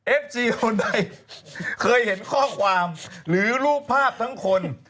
เอฟซีคนใดเคยเห็นข้อความหรือรูปภาพทั้งคน